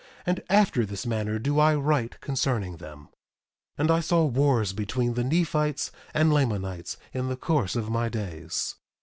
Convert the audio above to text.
And after this manner do I write concerning them. 1:24 And I saw wars between the Nephites and Lamanites in the course of my days.